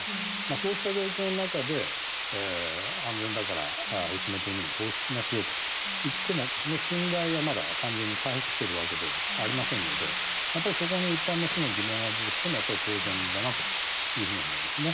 そうした状況の中で安全だから薄めて海に放出しますよといってもその信頼が、まだ完全に回復しているわけではありませんので、やっぱりそこに一般の人の疑問が出てきてもやっぱり当然だなというふうに思うんですね。